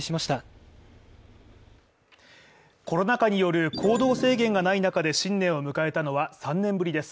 コロナ禍による行動制限がない中で新年を迎えたのは３年ぶりです。